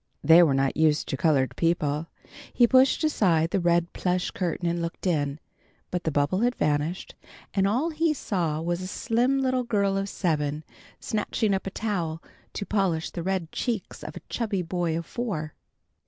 They were not used to colored people. He pushed aside the red plush curtain and looked in, but the bubble had vanished, and all he saw was a slim little girl of seven snatching up a towel to polish the red cheeks of a chubby boy of four.